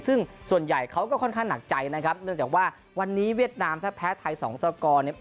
ซึ่งส่วนใหญ่เขาก็ค่อนข้างหนักใจนะครับเนื่องจากว่าวันนี้เวียดนามถ้าแพ้ไทยสองสกอร์เนี่ย